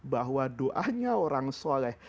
bahwa doanya orang soleh